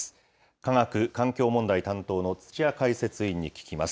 科学・環境問題担当の土屋解説委員に聞きます。